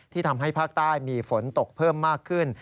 ทำให้ภาคใต้มีฝนตกเพิ่มมากขึ้น